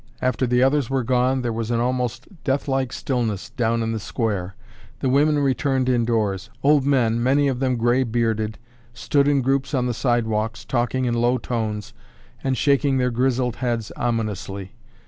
After the others were gone, there was an almost deathlike stillness down in the square. The women returned indoors. Old men, many of them gray bearded, stood in groups on the sidewalks talking in low tones and shaking their grizzled heads ominously.